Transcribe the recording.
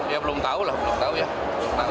ya belum tahu lah belum tahu ya